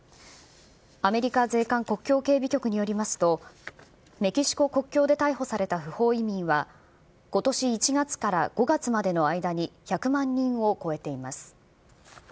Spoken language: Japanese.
アメリカ税関・国境警備局によりますと、メキシコ国境で逮捕された不法移民は、ことし１月から５月までの間に１００万人を超えています。